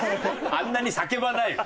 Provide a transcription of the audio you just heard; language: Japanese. あんなに叫ばないよ